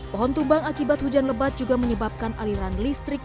pohon tumbang akibat hujan lebat juga menyebabkan aliran listrik